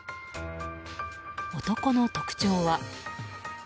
男の特徴は。